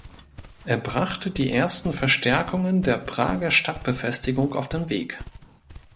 Er brachte die ersten Verstärkungen der Prager Stadtbefestigung auf den Weg.